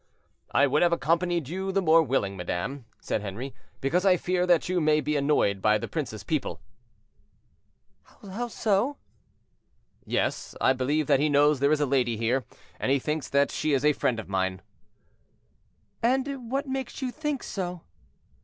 "I would have accompanied you the more willingly, madame." said Henri; "because I fear that you may be annoyed by the prince's people."—"How so?" "Yes; I believe that he knows there is a lady here, and he thinks that she is a friend of mine." "And what makes you think so?"